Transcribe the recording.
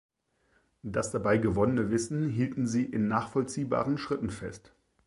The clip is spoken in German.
Das dabei gewonnene Wissen hielten sie in nachvollziehbaren Schritten fest.